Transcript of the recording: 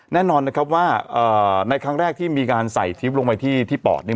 แน่นอนนะครับว่าในครั้งแรกที่มีการใส่ทริปลงไปที่ปอดเนี่ย